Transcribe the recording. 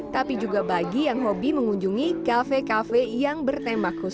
tapi juga bagi yang hobi mengunjungi kafe kafe yang bertembak khusus